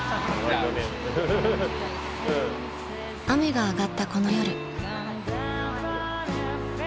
［雨が上がったこの夜］